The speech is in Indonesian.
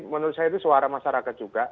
menurut saya itu suara masyarakat juga